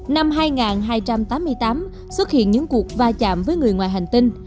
năm hai nghìn hai trăm tám mươi tám xuất hiện những cuộc va chạm với người ngoài hành tinh